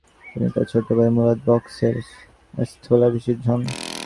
তিনি তার ছোট ভাই মুরাদ বক্স এর স্থলাভিষিক্ত হন।